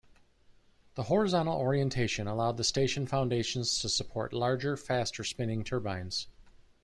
The horizontal orientation allowed the station foundations to support larger, faster spinning turbines.